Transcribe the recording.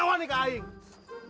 senang sekali si agan